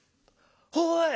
おい！